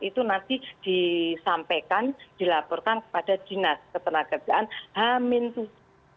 itu nanti disampaikan dilaporkan kepada dinas ketenagakerjaan hamin tussu